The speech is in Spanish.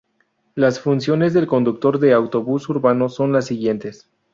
Las funciones del conductor de autobús urbano son las siguientes.